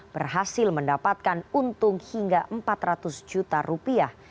berhasil mendapatkan untung hingga empat ratus juta rupiah